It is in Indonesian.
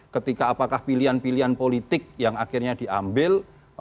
ketika apakah pilihan pilihan politik yang akhirnya diambil